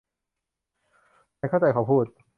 ฉันเข้าใจเขาพูด